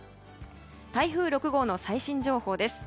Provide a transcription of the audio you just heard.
台風６号の最新情報です。